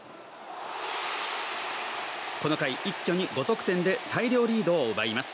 この回、一挙に５得点で大量リードを奪います。